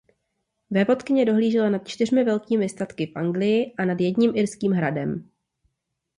Vévodkyně dohlížela nad čtyřmi velkými statky v Anglii a nad jedním irským hradem.